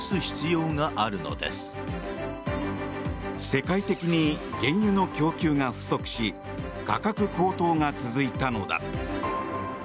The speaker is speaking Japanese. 世界的に原油の供給が不足し価格高騰が続いたのだ。